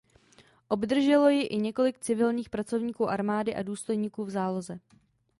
Obdrželo ji i několik civilních pracovníků armády a důstojníků v záloze.